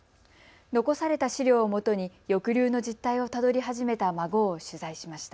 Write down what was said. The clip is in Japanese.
残された資料をもとに抑留の実態をたどり始めた孫を取材しました。